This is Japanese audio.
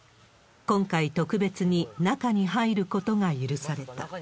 今回、特別に中に入ることが許された。